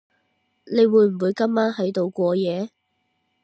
你會唔會今晚喺度過夜？